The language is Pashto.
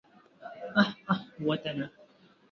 اخ اخ وطنه.